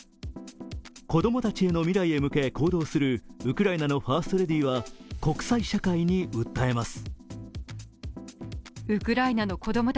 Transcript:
子供たちの未来へ向け行動するウクライナのファーストレディーは国際社会に訴えます。